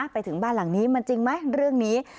ไปถึงบ้านหลังนี้มันจริงไหมเรื่องนี้